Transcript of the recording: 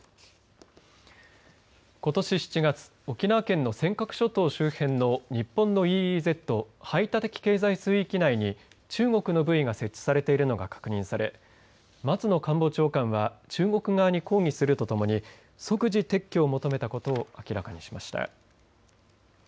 ことし７月沖縄県の尖閣諸島周辺の日本のＥＥＺ排他的経済水域内に中国のブイが設置されているのが確認され松野官房長官は中国側に抗議するとともに即時撤去を求めたことを明らかにしました。